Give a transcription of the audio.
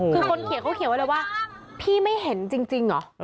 คือคนเขียนเขาเขียนไว้เลยว่าพี่ไม่เห็นจริงเหรอ